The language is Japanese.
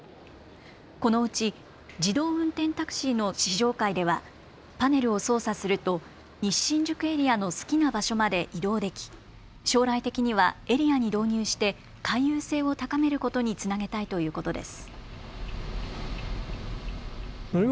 このうち自動運転タクシーの試乗会ではパネルを操作すると西新宿エリアの好きな場所まで移動でき、将来的にはエリアに導入して回遊性を高めることにつなげたいということです。